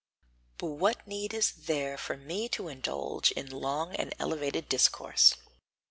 But what need is there for me to indulge in long and elevated discourse?